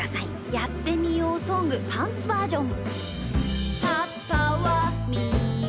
「やってみようソングパンツバージョン」。